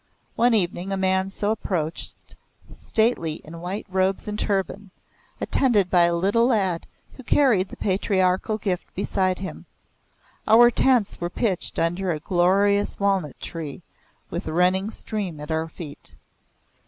One evening a man so approached, stately in white robes and turban, attended by a little lad who carried the patriarchal gift beside him. Our tents were pitched under a glorious walnut tree with a running stream at our feet.